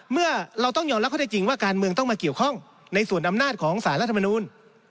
เมื่อเราต้องยอมรับเขาได้จริงว่าการเมืองต้องมาเกี่ยวข้องในส่วนอำนาจของสารรัฐมนูล